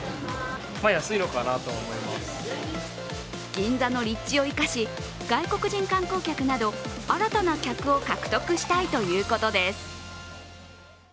銀座の立地を生かし、外国人観光客など新たな客を獲得したいということです。